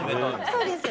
そうです。